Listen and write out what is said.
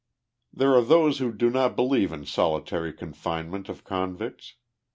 There are those who do not believe in solitary confinement ol convicts.